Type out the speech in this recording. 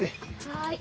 はい。